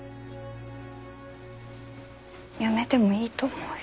やめてもいいと思うよ。